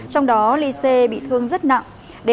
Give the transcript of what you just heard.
trong đó ly cê bị thương rất nặng